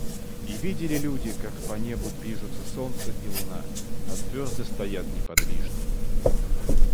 И видели люди, как по небу движутся солнце и луна, а звёзды стоят неподвижно.